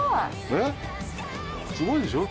ねっすごいでしょ？